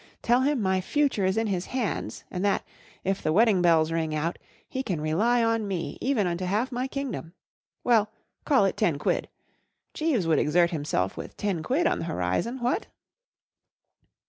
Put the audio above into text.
Tell him my future is in his hands, and that, if the wedding bells ring out, he can rely on me, even unto half my kingdom Well, call it ten quid* Jeeves would exert himself with ten quid on the horizon, what